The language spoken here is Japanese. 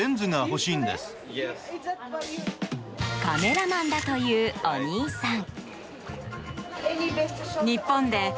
カメラマンだというお兄さん。